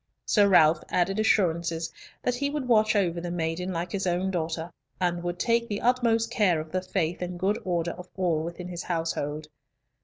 Sir Ralf added assurances that he would watch over the maiden like his own daughter, and would take the utmost care of the faith and good order of all within his household.